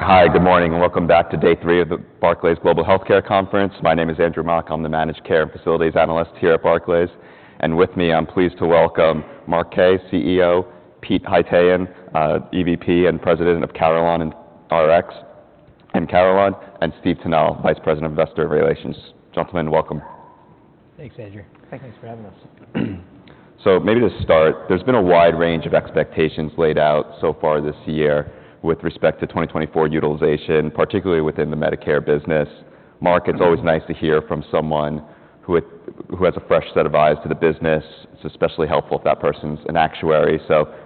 Hi, good morning, and welcome back to day three of the Barclays Global Healthcare Conference. My name is Andrew Mok, I'm the Managed Care and Facilities Analyst here at Barclays, and with me I'm pleased to welcome Mark Kaye, CEO; Pete Haytaian, EVP and President of Carelon and Rx; and Steve Tanal, Vice President and Investor Relations. Gentlemen, welcome. Thanks, Andrew. Thanks for having us. Maybe to start, there's been a wide range of expectations laid out so far this year with respect to 2024 utilization, particularly within the Medicare business. Mark, it's always nice to hear from someone who has a fresh set of eyes to the business. It's especially helpful if that person's an actuary.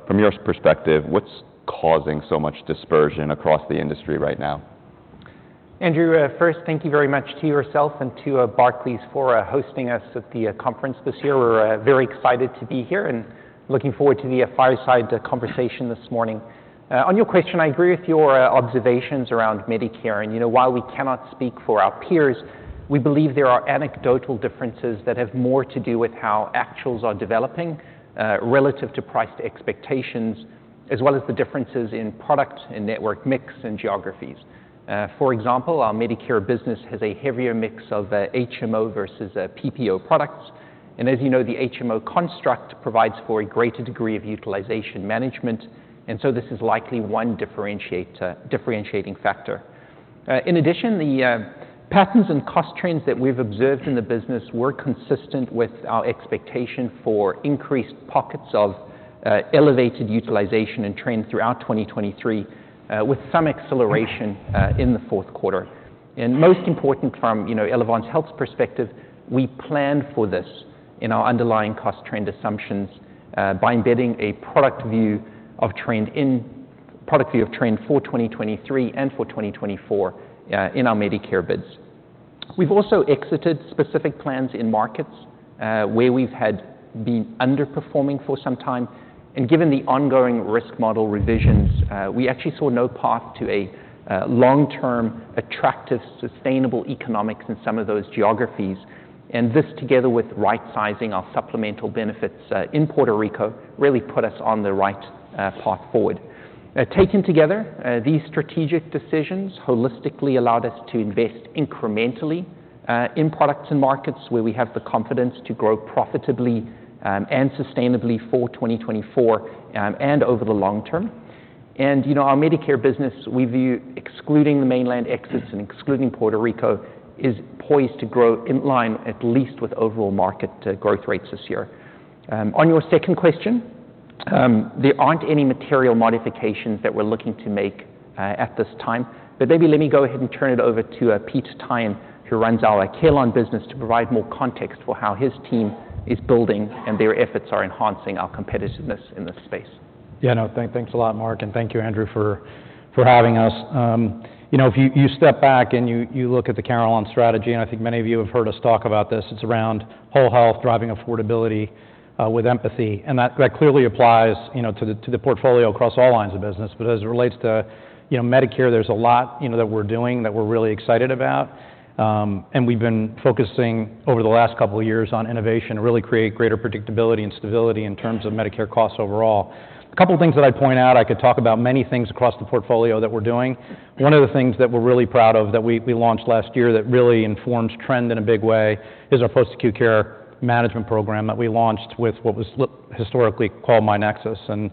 From your perspective, what's causing so much dispersion across the industry right now? Andrew, first thank you very much to yourself and to Barclays for hosting us at the conference this year. We're very excited to be here and looking forward to the fireside conversation this morning. On your question, I agree with your observations around Medicare, and while we cannot speak for our peers, we believe there are anecdotal differences that have more to do with how actuals are developing relative to price to expectations, as well as the differences in product and network mix and geographies. For example, our Medicare business has a heavier mix of HMO versus PPO products, and as you know, the HMO construct provides for a greater degree of utilization management, and so this is likely one differentiating factor. In addition, the patterns and cost trends that we've observed in the business were consistent with our expectation for increased pockets of elevated utilization and trend throughout 2023, with some acceleration in the fourth quarter. Most important from Elevance Health's perspective, we planned for this in our underlying cost trend assumptions by embedding a product view of trend for 2023 and for 2024 in our Medicare bids. We've also exited specific plans in markets where we've been underperforming for some time, and given the ongoing risk model revisions, we actually saw no path to a long-term attractive sustainable economics in some of those geographies, and this together with right-sizing our supplemental benefits in Puerto Rico really put us on the right path forward. Taken together, these strategic decisions holistically allowed us to invest incrementally in products and markets where we have the confidence to grow profitably and sustainably for 2024 and over the long term. And our Medicare business, we view excluding the mainland exits and excluding Puerto Rico, is poised to grow in line, at least with overall market growth rates this year. On your second question, there aren't any material modifications that we're looking to make at this time, but maybe let me go ahead and turn it over to Pete Haytaian, who runs our Carelon business, to provide more context for how his team is building and their efforts are enhancing our competitiveness in this space. Yeah, no, thanks a lot, Mark, and thank you, Andrew, for having us. If you step back and you look at the Carelon strategy, and I think many of you have heard us talk about this, it's around whole health, driving affordability with empathy, and that clearly applies to the portfolio across all lines of business, but as it relates to Medicare, there's a lot that we're doing that we're really excited about, and we've been focusing over the last couple of years on innovation to really create greater predictability and stability in terms of Medicare costs overall. A couple of things that I'd point out, I could talk about many things across the portfolio that we're doing. One of the things that we're really proud of that we launched last year that really informs trend in a big way is our post-acute care management program that we launched with what was historically called myNEXUS, and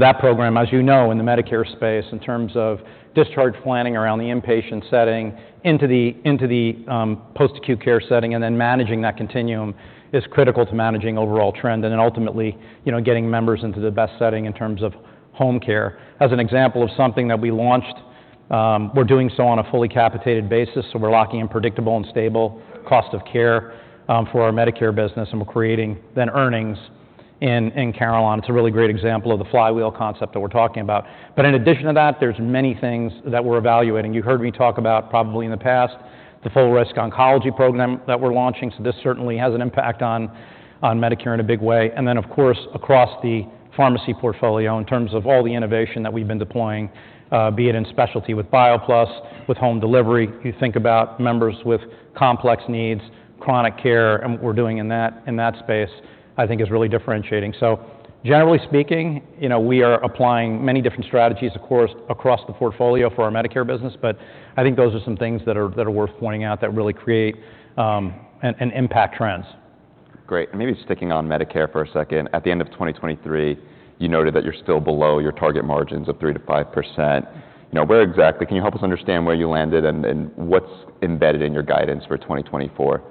that program, as you know, in the Medicare space, in terms of discharge planning around the inpatient setting into the post-acute care setting and then managing that continuum, is critical to managing overall trend and then ultimately getting members into the best setting in terms of home care. As an example of something that we launched, we're doing so on a fully capitated basis, so we're locking in predictable and stable cost of care for our Medicare business, and we're creating then earnings in Carelon. It's a really great example of the flywheel concept that we're talking about. But in addition to that, there's many things that we're evaluating. You heard me talk about probably in the past the full-risk oncology program that we're launching, so this certainly has an impact on Medicare in a big way, and then of course across the pharmacy portfolio in terms of all the innovation that we've been deploying, be it in specialty with BioPlus, with home delivery. You think about members with complex needs, chronic care, and what we're doing in that space, I think, is really differentiating. So generally speaking, we are applying many different strategies, of course, across the portfolio for our Medicare business, but I think those are some things that are worth pointing out that really create and impact trends. Great, and maybe sticking on Medicare for a second. At the end of 2023, you noted that you're still below your target margins of 3%-5%. Where exactly can you help us understand where you landed and what's embedded in your guidance for 2024?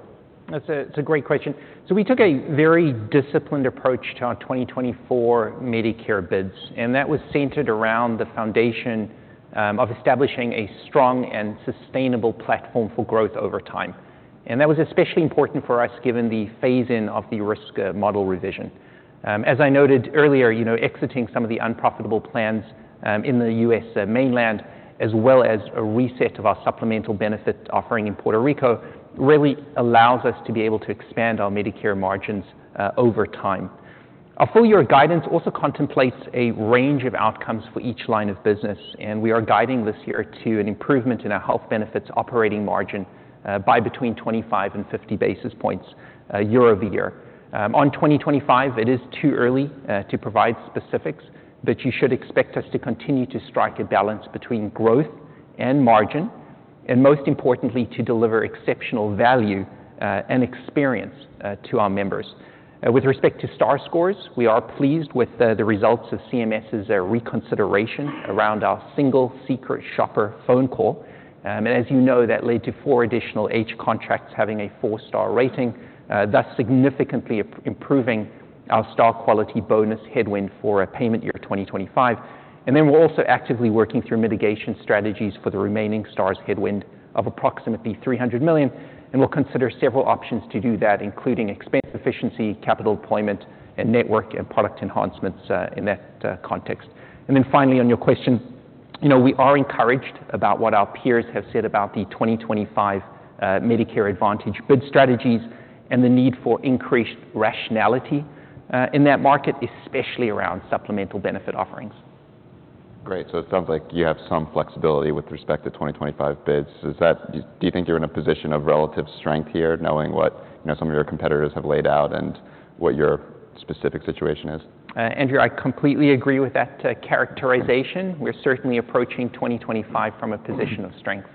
That's a great question. So we took a very disciplined approach to our 2024 Medicare bids, and that was centered around the foundation of establishing a strong and sustainable platform for growth over time, and that was especially important for us given the phase-in of the risk model revision. As I noted earlier, exiting some of the unprofitable plans in the U.S. mainland, as well as a reset of our supplemental benefit offering in Puerto Rico, really allows us to be able to expand our Medicare margins over time. Our full-year guidance also contemplates a range of outcomes for each line of business, and we are guiding this year to an improvement in our health benefits operating margin by between 25 and 50 basis points year-over-year. For 2025, it is too early to provide specifics, but you should expect us to continue to strike a balance between growth and margin, and most importantly, to deliver exceptional value and experience to our members. With respect to Star scores, we are pleased with the results of CMS's reconsideration around our single secret shopper phone call, and as you know, that led to four additional H contracts having a four-star rating, thus significantly improving our Star quality bonus headwind for payment year 2025. Then we're also actively working through mitigation strategies for the remaining Stars headwind of approximately $300 million, and we'll consider several options to do that, including expense efficiency, capital deployment, and network and product enhancements in that context. And then finally, on your question, we are encouraged about what our peers have said about the 2025 Medicare Advantage bid strategies and the need for increased rationality in that market, especially around supplemental benefit offerings. Great, so it sounds like you have some flexibility with respect to 2025 bids. Do you think you're in a position of relative strength here, knowing what some of your competitors have laid out and what your specific situation is? Andrew, I completely agree with that characterization. We're certainly approaching 2025 from a position of strength.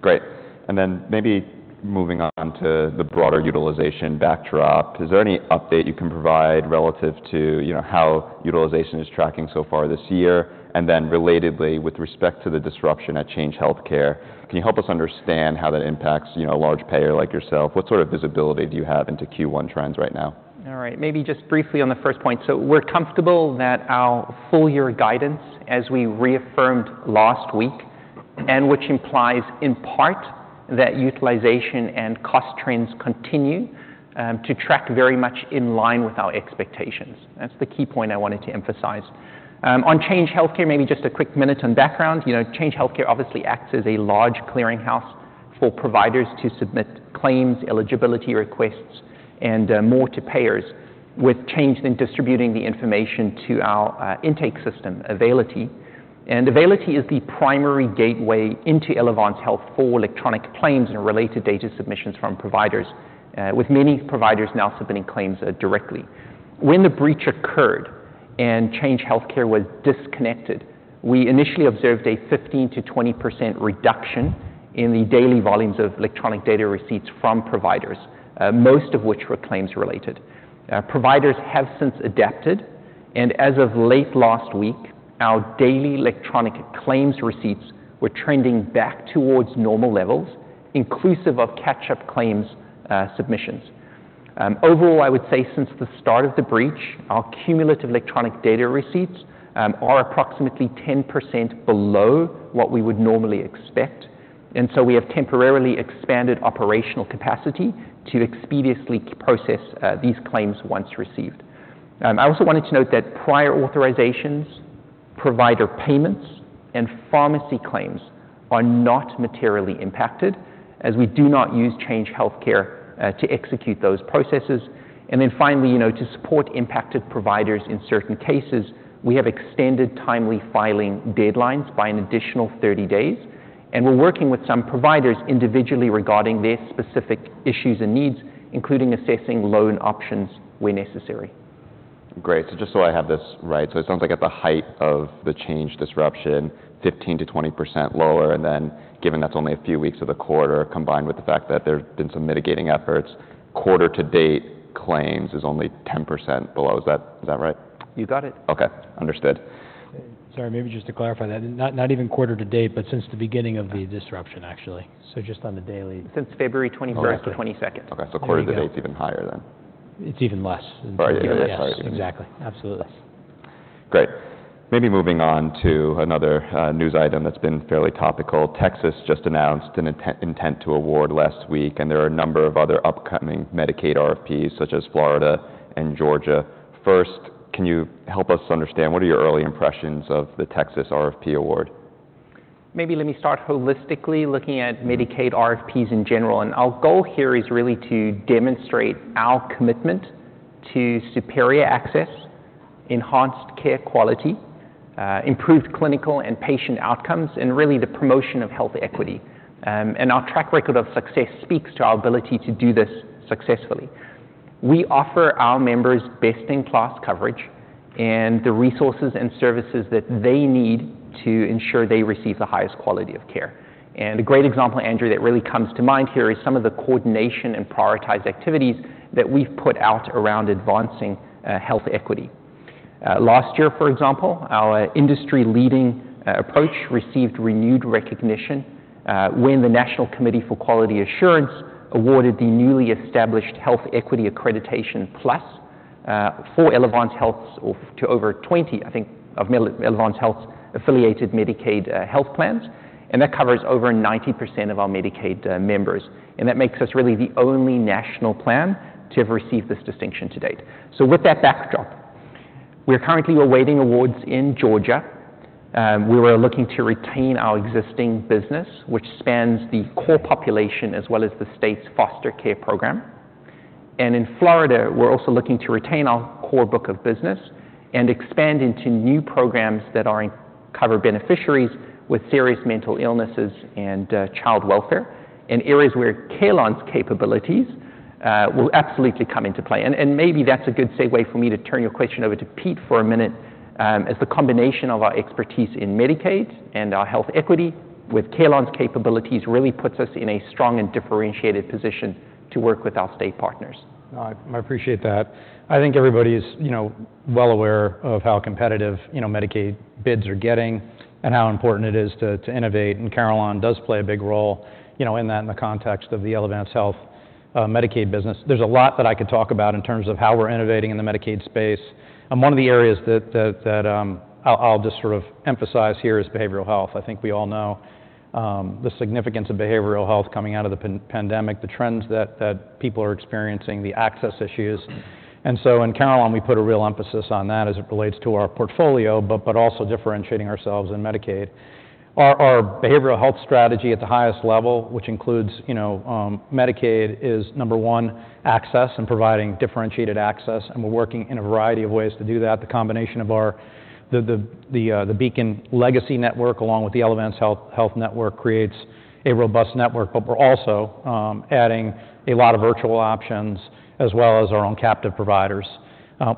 Great, and then maybe moving on to the broader utilization backdrop, is there any update you can provide relative to how utilization is tracking so far this year, and then relatedly with respect to the disruption at Change Healthcare? Can you help us understand how that impacts a large payer like yourself? What sort of visibility do you have into Q1 trends right now? All right, maybe just briefly on the first point. So we're comfortable that our full-year guidance, as we reaffirmed last week, and which implies in part that utilization and cost trends continue to track very much in line with our expectations, that's the key point I wanted to emphasize. On Change Healthcare, maybe just a quick minute on background. Change Healthcare obviously acts as a large clearinghouse for providers to submit claims, eligibility requests, and more to payers, with Change then distributing the information to our intake system, Availity. And Availity is the primary gateway into Elevance Health for electronic claims and related data submissions from providers, with many providers now submitting claims directly. When the breach occurred and Change Healthcare was disconnected, we initially observed a 15%-20% reduction in the daily volumes of electronic data receipts from providers, most of which were claims related. Providers have since adapted, and as of late last week, our daily electronic claims receipts were trending back towards normal levels, inclusive of catch-up claims submissions. Overall, I would say since the start of the breach, our cumulative electronic data receipts are approximately 10% below what we would normally expect, and so we have temporarily expanded operational capacity to expeditiously process these claims once received. I also wanted to note that prior authorizations, provider payments, and pharmacy claims are not materially impacted, as we do not use Change Healthcare to execute those processes. Then finally, to support impacted providers in certain cases, we have extended timely filing deadlines by an additional 30 days, and we're working with some providers individually regarding their specific issues and needs, including assessing loan options where necessary. Great, so just so I have this right, so it sounds like at the height of the change disruption, 15%-20% lower, and then given that's only a few weeks of the quarter combined with the fact that there have been some mitigating efforts, quarter-to-date claims is only 10% below. Is that right? You got it. Okay, understood. Sorry, maybe just to clarify that, not even quarter-to-date, but since the beginning of the disruption, actually, so just on the daily. Since February 21st to 22nd. Okay, so quarter-to-date's even higher than. It's even less. Sorry, yes, exactly, absolutely. Great, maybe moving on to another news item that's been fairly topical. Texas just announced an intent to award last week, and there are a number of other upcoming Medicaid RFPs, such as Florida and Georgia. First, can you help us understand what are your early impressions of the Texas RFP award? Maybe let me start holistically looking at Medicaid RFPs in general, and our goal here is really to demonstrate our commitment to superior access, enhanced care quality, improved clinical and patient outcomes, and really the promotion of health equity. And our track record of success speaks to our ability to do this successfully. We offer our members best-in-class coverage and the resources and services that they need to ensure they receive the highest quality of care. And a great example, Andrew, that really comes to mind here is some of the coordination and prioritized activities that we've put out around advancing health equity. Last year, for example, our industry-leading approach received renewed recognition when the National Committee for Quality Assurance awarded the newly established Health Equity Accreditation Plus to Elevance Health's over 20, I think, of Elevance Health's affiliated Medicaid health plans, and that covers over 90% of our Medicaid members, and that makes us really the only national plan to have received this distinction to date. So with that backdrop, we're currently awaiting awards in Georgia. We were looking to retain our existing business, which spans the core population as well as the state's foster care program. And in Florida, we're also looking to retain our core book of business and expand into new programs that cover beneficiaries with serious mental illnesses and child welfare, in areas where Carelon's capabilities will absolutely come into play. Maybe that's a good segue for me to turn your question over to Pete for a minute, as the combination of our expertise in Medicaid and our health equity with Carelon's capabilities really puts us in a strong and differentiated position to work with our state partners. I appreciate that. I think everybody is well aware of how competitive Medicaid bids are getting and how important it is to innovate, and Carelon does play a big role in that in the context of the Elevance Health Medicaid business. There's a lot that I could talk about in terms of how we're innovating in the Medicaid space, and one of the areas that I'll just sort of emphasize here is behavioral health. I think we all know the significance of behavioral health coming out of the pandemic, the trends that people are experiencing, the access issues, and so in Carelon, we put a real emphasis on that as it relates to our portfolio, but also differentiating ourselves in Medicaid. Our behavioral health strategy at the highest level, which includes Medicaid, is number one, access and providing differentiated access, and we're working in a variety of ways to do that. The combination of the Beacon Legacy Network along with the Elevance Health Network creates a robust network, but we're also adding a lot of virtual options as well as our own captive providers.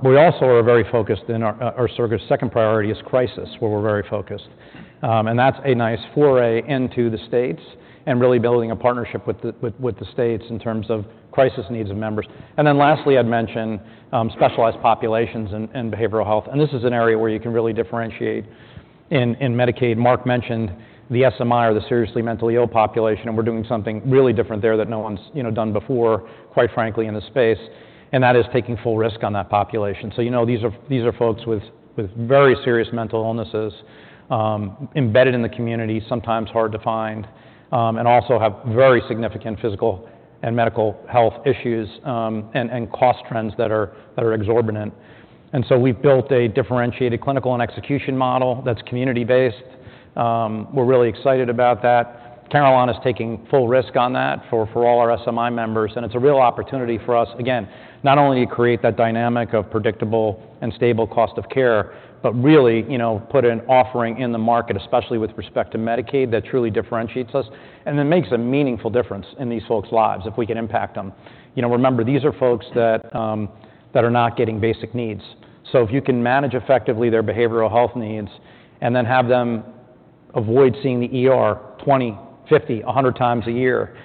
We also are very focused, and our second priority is crisis, where we're very focused, and that's a nice foray into the states and really building a partnership with the states in terms of crisis needs of members. Then lastly, I'd mention specialized populations in behavioral health, and this is an area where you can really differentiate in Medicaid. Mark mentioned the SMI or the seriously mentally ill population, and we're doing something really different there that no one's done before, quite frankly, in this space, and that is taking full risk on that population. So these are folks with very serious mental illnesses embedded in the community, sometimes hard to find, and also have very significant physical and medical health issues and cost trends that are exorbitant. And so we've built a differentiated clinical and execution model that's community-based. We're really excited about that. Carelon is taking full risk on that for all our SMI members, and it's a real opportunity for us, again, not only to create that dynamic of predictable and stable cost of care, but really put an offering in the market, especially with respect to Medicaid, that truly differentiates us and then makes a meaningful difference in these folks' lives if we can impact them. Remember, these are folks that are not getting basic needs, so if you can manage effectively their behavioral health needs and then have them avoid seeing the 20, 50, 100 times a year,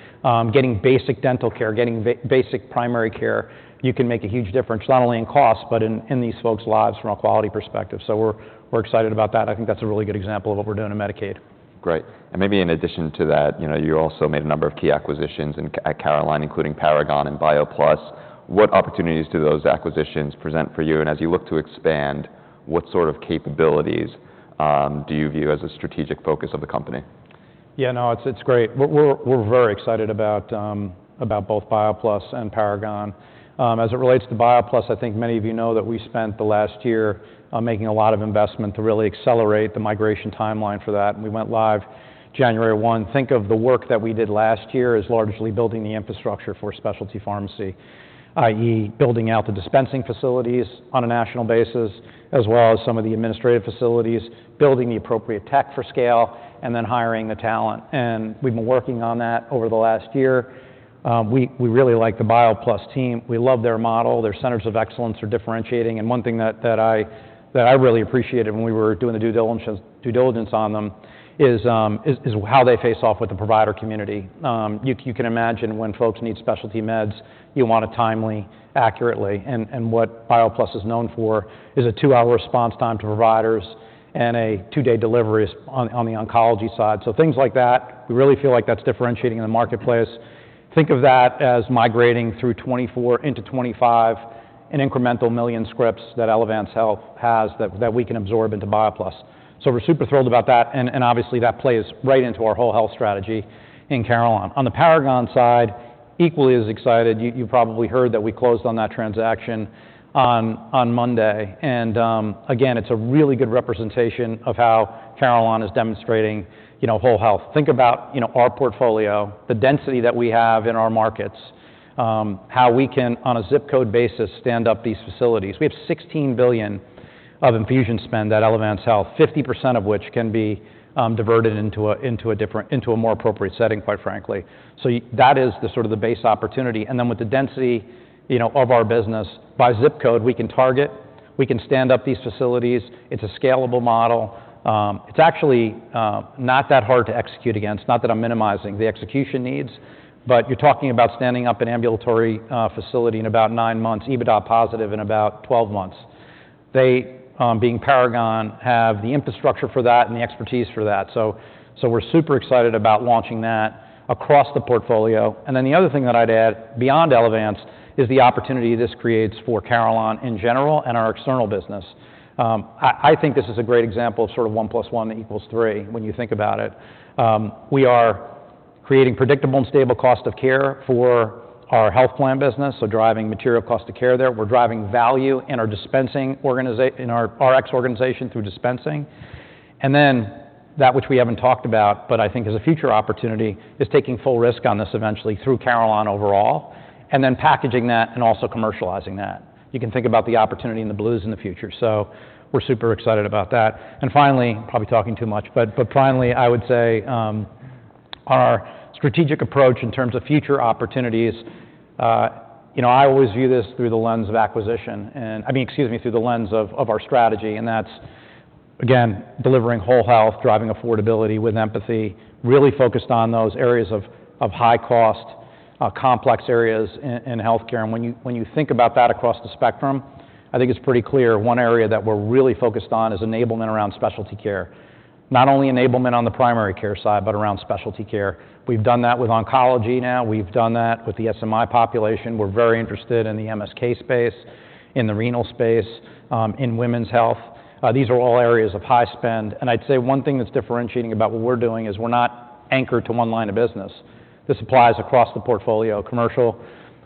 getting basic dental care, getting basic primary care, you can make a huge difference not only in cost, but in these folks' lives from a quality perspective. So we're excited about that, and I think that's a really good example of what we're doing in Medicaid. Great, and maybe in addition to that, you also made a number of key acquisitions at Carelon, including Paragon and BioPlus. What opportunities do those acquisitions present for you, and as you look to expand, what sort of capabilities do you view as a strategic focus of the company? Yeah, no, it's great. We're very excited about both BioPlus and Paragon. As it relates to BioPlus, I think many of you know that we spent the last year making a lot of investment to really accelerate the migration timeline for that, and we went live January 1. Think of the work that we did last year as largely building the infrastructure for specialty pharmacy, i.e., building out the dispensing facilities on a national basis as well as some of the administrative facilities, building the appropriate tech for scale, and then hiring the talent, and we've been working on that over the last year. We really like the BioPlus team. We love their model. Their centers of excellence are differentiating, and one thing that I really appreciated when we were doing the due diligence on them is how they face off with the provider community. You can imagine when folks need specialty meds, you want it timely, accurately, and what BioPlus is known for is a 2-hour response time to providers and a 2-day delivery on the oncology side. So things like that, we really feel like that's differentiating in the marketplace. Think of that as migrating through 2024 into 2025 in incremental million scripts that Elevance Health has that we can absorb into BioPlus. So we're super thrilled about that, and obviously, that plays right into our whole health strategy in Carelon. On the Paragon side, equally as excited, you probably heard that we closed on that transaction on Monday, and again, it's a really good representation of how Carelon is demonstrating whole health. Think about our portfolio, the density that we have in our markets, how we can, on a zip code basis, stand up these facilities. We have $16 billion of infusion spend at Elevance Health, 50% of which can be diverted into a more appropriate setting, quite frankly. So that is sort of the base opportunity, and then with the density of our business, by zip code, we can target, we can stand up these facilities. It's a scalable model. It's actually not that hard to execute against, not that I'm minimizing the execution needs, but you're talking about standing up an ambulatory facility in about nine months, EBITDA positive in about 12 months. They, being Paragon, have the infrastructure for that and the expertise for that, so we're super excited about launching that across the portfolio. And then the other thing that I'd add, beyond Elevance, is the opportunity this creates for Carelon in general and our external business. I think this is a great example of sort of one plus one equals three when you think about it. We are creating predictable and stable cost of care for our health plan business, so driving material cost of care there. We're driving value in our dispensing organization, in our Rx organization, through dispensing. And then that which we haven't talked about, but I think is a future opportunity, is taking full risk on this eventually through Carelon overall, and then packaging that and also commercializing that. You can think about the opportunity in the Blues in the future, so we're super excited about that. And finally, probably talking too much, but finally, I would say our strategic approach in terms of future opportunities. I always view this through the lens of acquisition, and I mean, excuse me, through the lens of our strategy, and that's, again, delivering whole health, driving affordability with empathy, really focused on those areas of high cost, complex areas in healthcare. And when you think about that across the spectrum, I think it's pretty clear one area that we're really focused on is enablement around specialty care, not only enablement on the primary care side, but around specialty care. We've done that with oncology now. We've done that with the SMI population. We're very interested in the MSK space, in the renal space, in women's health. These are all areas of high spend, and I'd say one thing that's differentiating about what we're doing is we're not anchored to one line of business. This applies across the portfolio: commercial,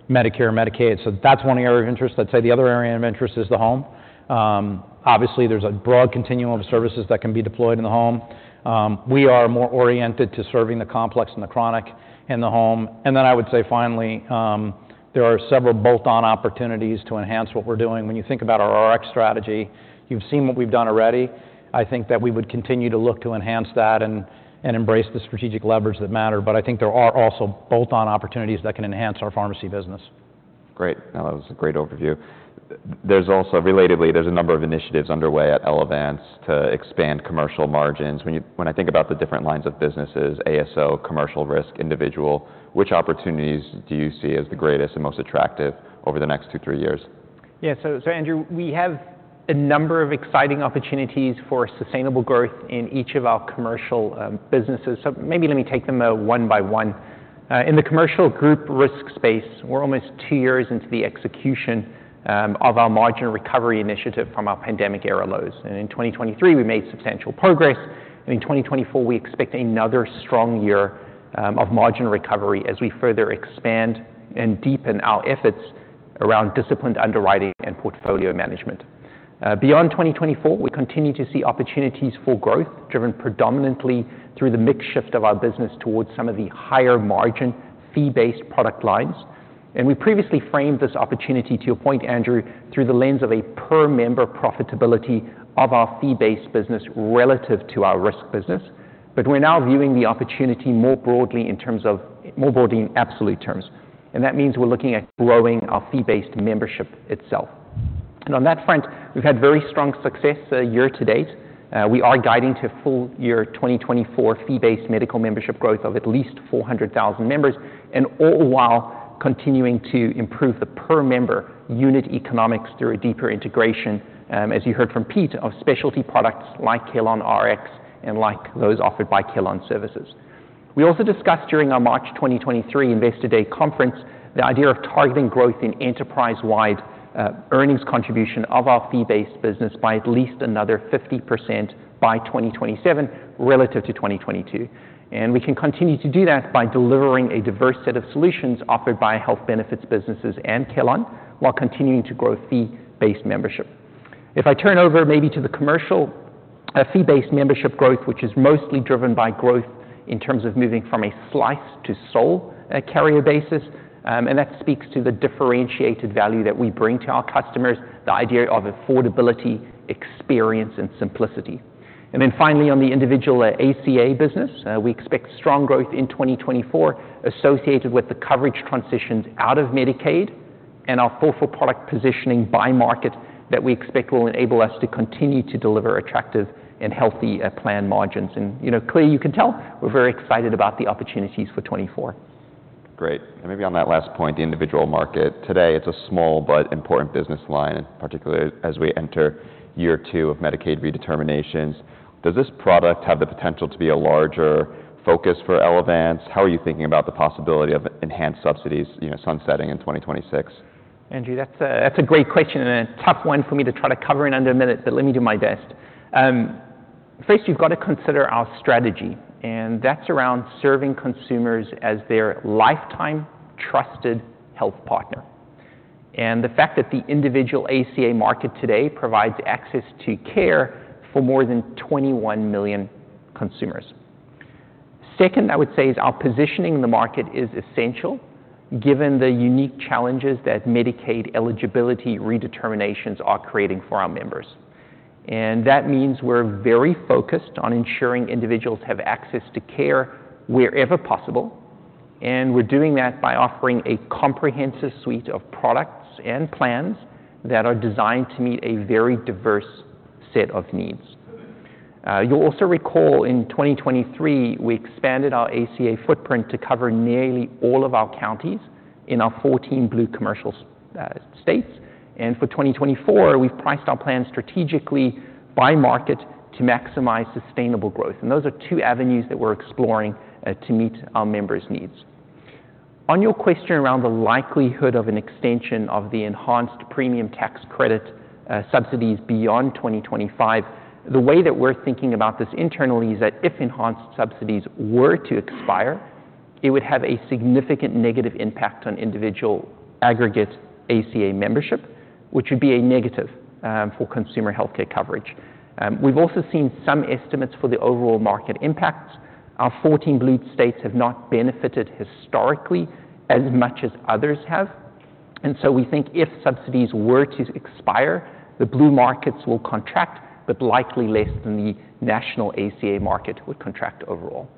Medicare, Medicaid. So that's one area of interest. I'd say the other area of interest is the home. Obviously, there's a broad continuum of services that can be deployed in the home. We are more oriented to serving the complex and the chronic in the home. And then I would say finally, there are several bolt-on opportunities to enhance what we're doing. When you think about our Rx strategy, you've seen what we've done already. I think that we would continue to look to enhance that and embrace the strategic leverage that mattered, but I think there are also bolt-on opportunities that can enhance our pharmacy business. Great, that was a great overview. Relatively, there's a number of initiatives underway at Elevance to expand commercial margins. When I think about the different lines of businesses, ASO, commercial risk, individual, which opportunities do you see as the greatest and most attractive over the next 2-3 years? Yeah, so Andrew, we have a number of exciting opportunities for sustainable growth in each of our commercial businesses, so maybe let me take them one by one. In the commercial group risk space, we're almost 2 years into the execution of our margin recovery initiative from our pandemic era lows, and in 2023, we made substantial progress, and in 2024, we expect another strong year of margin recovery as we further expand and deepen our efforts around disciplined underwriting and portfolio management. Beyond 2024, we continue to see opportunities for growth driven predominantly through the mix shift of our business towards some of the higher margin, fee-based product lines, and we previously framed this opportunity, to your point, Andrew, through the lens of a per-member profitability of our fee-based business relative to our risk business, but we're now viewing the opportunity more broadly in absolute terms, and that means we're looking at growing our fee-based membership itself. On that front, we've had very strong success year to date. We are guiding to a full year 2024 fee-based medical membership growth of at least 400,000 members, and all while continuing to improve the per-member unit economics through a deeper integration, as you heard from Pete, of specialty products like CarelonRx and like those offered by Carelon Services. We also discussed during our March 2023 Investor Day conference the idea of targeting growth in enterprise-wide earnings contribution of our fee-based business by at least another 50% by 2027 relative to 2022, and we can continue to do that by delivering a diverse set of solutions offered by health benefits businesses and Carelon while continuing to grow fee-based membership. If I turn over maybe to the commercial, fee-based membership growth, which is mostly driven by growth in terms of moving from a slice-to-sole carrier basis, and that speaks to the differentiated value that we bring to our customers, the idea of affordability, experience, and simplicity. Then finally, on the individual ACA business, we expect strong growth in 2024 associated with the coverage transitions out of Medicaid and our full-for-product positioning by market that we expect will enable us to continue to deliver attractive and healthy plan margins, and clearly, you can tell we're very excited about the opportunities for 2024. Great, and maybe on that last point, the individual market. Today, it's a small but important business line, in particular as we enter year two of Medicaid redeterminations. Does this product have the potential to be a larger focus for Elevance? How are you thinking about the possibility of enhanced subsidies sunsetting in 2026? Andrew, that's a great question and a tough one for me to try to cover in under a minute, but let me do my best. First, you've got to consider our strategy, and that's around serving consumers as their lifetime trusted health partner, and the fact that the individual ACA market today provides access to care for more than 21 million consumers. Second, I would say is our positioning in the market is essential given the unique challenges that Medicaid eligibility redeterminations are creating for our members, and that means we're very focused on ensuring individuals have access to care wherever possible, and we're doing that by offering a comprehensive suite of products and plans that are designed to meet a very diverse set of needs. You'll also recall in 2023, we expanded our ACA footprint to cover nearly all of our counties in our 14 Blue commercial states, and for 2024, we've priced our plan strategically by market to maximize sustainable growth, and those are two avenues that we're exploring to meet our members' needs. On your question around the likelihood of an extension of the enhanced premium tax credit subsidies beyond 2025, the way that we're thinking about this internally is that if enhanced subsidies were to expire, it would have a significant negative impact on individual aggregate ACA membership, which would be a negative for consumer healthcare coverage. We've also seen some estimates for the overall market impacts. Our 14 Blue states have not benefited historically as much as others have, and so we think if subsidies were to expire, the Blue markets will contract, but likely less than the national ACA market would contract overall.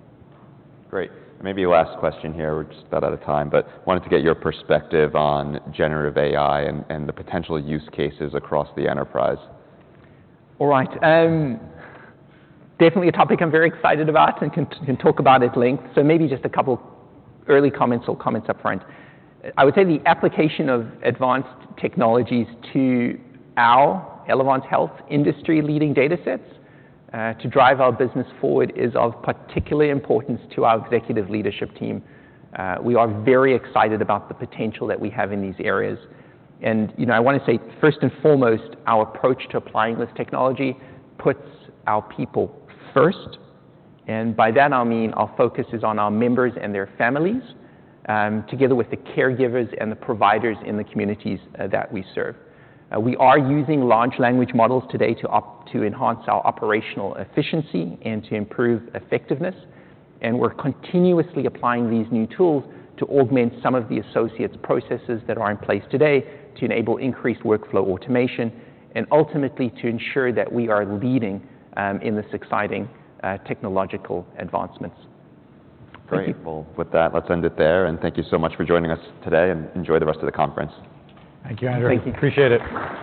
Great, and maybe a last question here. We're just about out of time, but wanted to get your perspective on generative AI and the potential use cases across the enterprise. All right, definitely a topic I'm very excited about and can talk about at length, so maybe just a couple early comments or comments up front. I would say the application of advanced technologies to our Elevance Health industry-leading data sets to drive our business forward is of particular importance to our executive leadership team. We are very excited about the potential that we have in these areas, and I want to say, first and foremost, our approach to applying this technology puts our people first, and by that, I mean our focus is on our members and their families together with the caregivers and the providers in the communities that we serve. We are using large language models today to enhance our operational efficiency and to improve effectiveness, and we're continuously applying these new tools to augment some of the associates' processes that are in place today to enable increased workflow automation and ultimately to ensure that we are leading in this exciting technological advancements. Great, well, with that, let's end it there, and thank you so much for joining us today, and enjoy the rest of the conference. Thank you, Andrew. Thank you. Appreciate it.